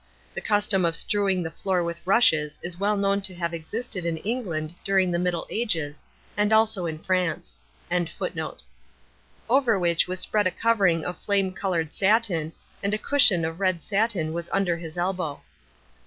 The custom of strewing the floor with rushes is well known to have existed in England during the Middle Ages, and also in France.] over which was spread a covering of flame covered satin, and a cushion of red satin was under his elbow.